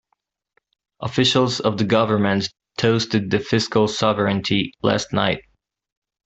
Officials of the government toasted the fiscal sovereignty last night.